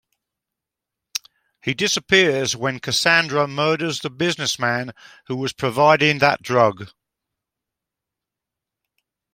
He disappears when Cassandra murders the businessman who was providing that drug.